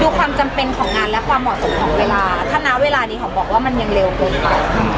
ดูความจำเป็นของงานและความเหมาะสบของเวลาเพราะทุกคนบอกว่ายังเลวไปกะ